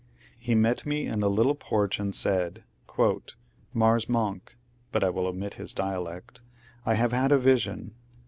He met me in a little porch and said, ^ Mars Mono," — but I will omit his dialect, —^^ I have had a vision.